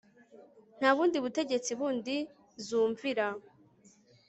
nta bundi butegetsi bundi zumvira